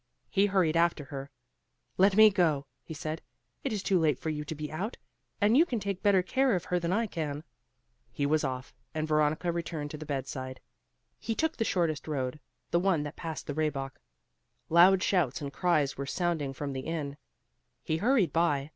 He hurried after her. "Let me go," he said, "it is too late for you to be out, and you can take better care of her than I can." He was off; and Veronica returned to the bed side. He took the shortest road; the one that passed the Rehbock. Loud shouts and cries were sounding from the inn. He hurried by.